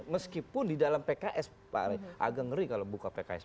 meskipun di dalam pks pak agak ngeri kalau buka pks